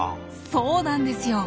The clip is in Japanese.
そうなんですよ。